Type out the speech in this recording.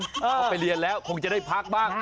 เขาไปเรียนแล้วคงจะได้พักบ้าง